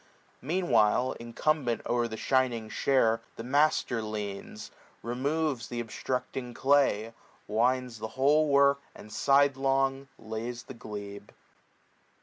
40 Meanwhile incumbent o'er the shining share The master leans, removes th' obstructing clay. Winds the whole work, and sidelong lays the glebe.